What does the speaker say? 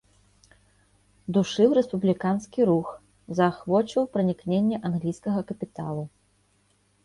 Душыў рэспубліканскі рух, заахвочваў пранікненне англійскага капіталу.